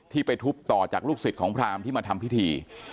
ไปทุบต่อจากลูกศิษย์ของพรามที่มาทำพิธี